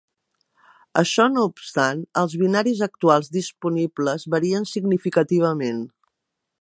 Això no obstant, els binaris actuals disponibles varien significativament.